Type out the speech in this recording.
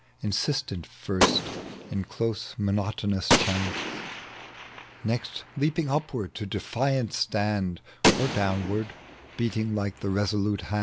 Insistent first in close monotonous chant, Next leaping upward to defiant stand Or downward beating like the resolute hand